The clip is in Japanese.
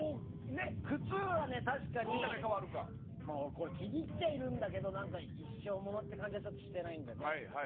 靴は確かに気に入っちゃいるんだけど一生モノって感じはしてないんだよね。